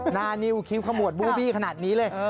หน้านิ้วคิ้วขมวดบูบี้ขนาดนี้เลย